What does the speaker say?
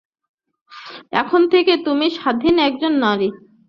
এখন থেকে তুই স্বাধীন একজন নারী।